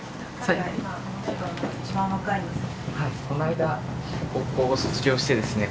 この間高校を卒業してですね